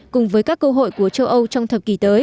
cùng với các cơ hội của châu âu trong thập kỷ tới